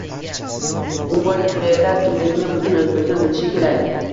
Bu boy kurerlar kimligini butun O'zbekiston bilishi kerak!